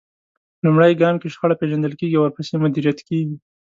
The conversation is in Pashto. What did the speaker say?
لومړی ګام کې شخړه پېژندل کېږي او ورپسې مديريت کېږي.